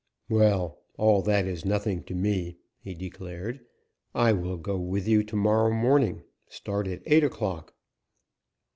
"Well, all that is nothing to me," he declared. "I will go with you to morrow morning, start at eight o'clock."